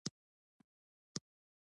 په ورځنۍ چارو کې بدلون نه وي راوستلی.